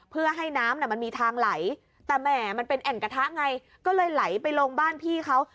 เพื่อให้น้ำมันมีทางไหลแต่แหม่มันเป็นแอ่งกระทะไงก็เลยไหลไปลงบ้านพี่เขา